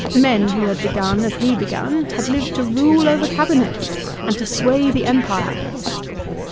Men who had begun as he begun had lived to rule over Cabinets, and to sway the Empire.